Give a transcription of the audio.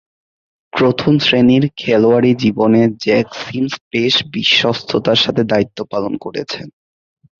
প্রথম-শ্রেণীর খেলোয়াড়ী জীবনে জ্যাক সিমন্স বেশ বিশ্বস্ততার সাথে দায়িত্ব পালন করেছেন।